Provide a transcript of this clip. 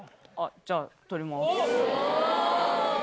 じゃあ取ります。